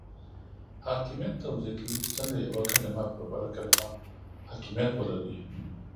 حاکمیت توضیح کوي چې څنګه یوه کلمه پر بله کلمه حاکمیت ولري.